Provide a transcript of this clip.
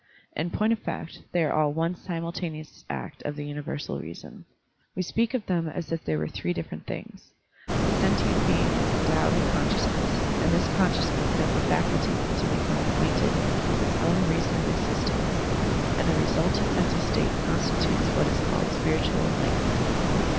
In point of fact, they are all one simul taneous act of the universal reason. We speak of them as if they were three different things: the sentient being is endowed with consciousness, Digitized by Google SPIRITUAL ENLIGHTENMENT 143 and this consciousness has the facility to become acquainted with its own reason of existence, and the resultant mental state constitutes what is called spiritual enlightenment.